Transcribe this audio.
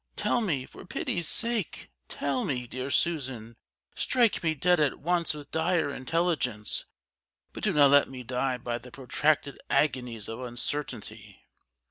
Tell me, for pity's sake, tell me, dear Susan; strike me dead at once with dire intelligence, but do not let me die by the protracted agonies of uncertainty!"